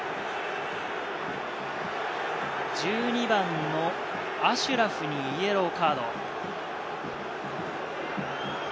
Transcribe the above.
１２番のアシュラフにイエローカード。